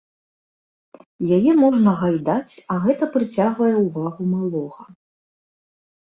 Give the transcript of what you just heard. Яе можна гайдаць, а гэта прыцягвае ўвагу малога.